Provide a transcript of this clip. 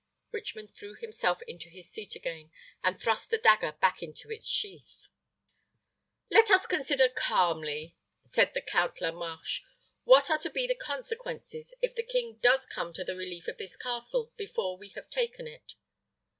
Richmond threw himself into his seat again, and thrust the dagger back into its sheath. "Let us consider calmly," said the Count La Marche, "what are to be the consequences if the king does come to the relief of this castle before we have taken it."